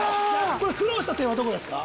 これ苦労した点はどこですか？